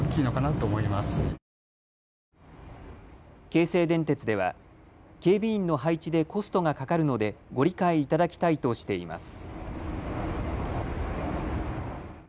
京成電鉄では警備員の配置でコストがかかるのでご理解いただきたいとしています。